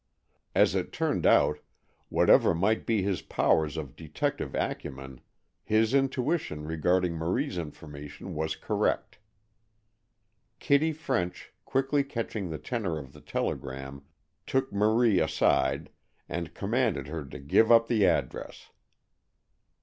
As it turned out, whatever might be his powers of detective acumen, his intuition regarding Marie's information was correct. Kitty French, quickly catching the tenor of the telegram, took Marie aside, and commanded her to give up the address.